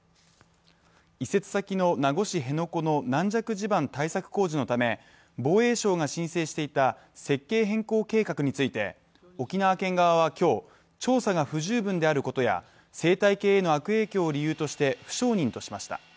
移設先の名護市辺野古の軟弱地盤対策工事のため防衛省が申請していた設計変更計画について、沖縄県側は今日、調査が不十分であることや生態系への悪影響を理由として不承認としました。